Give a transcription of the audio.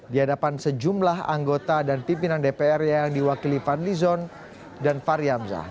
di hadapan sejumlah anggota dan pimpinan dpr yang diwakili van lizon dan fariamzah